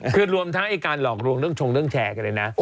คือรวมทั้งไอ้การหลอกลวงเรื่องชงเรื่องแชร์กันเลยนะ